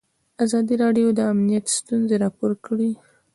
ازادي راډیو د امنیت ستونزې راپور کړي.